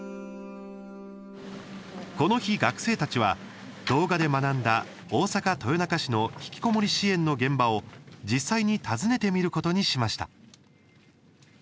この日、学生たちは動画で学んだ大阪・豊中市のひきこもり支援の現場を実際に訪ねてみることにしました。